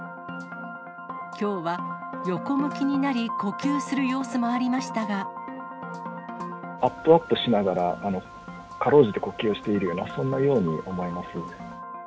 きょうは横向きになり、アップアップしながら、かろうじて呼吸をしているような、そんなように思います。